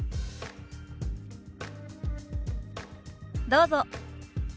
どうぞ。